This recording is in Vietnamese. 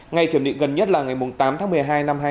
ngay kiểm định gần nhất là ngày tám tháng một mươi hai năm